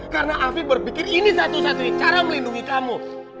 karena afi berpikir ini satu satunya cara melindungi kamu